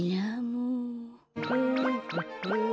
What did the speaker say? うん。